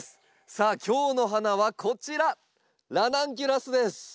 さあ今日の花はこちら「ラナンキュラス」です。